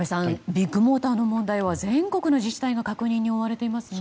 ビッグモーターの問題は全国の自治体が確認に追われていますね。